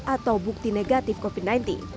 atau bukti negatif covid sembilan belas